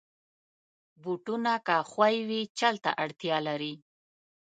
بوټونه که ښوی وي، چل ته اړتیا لري.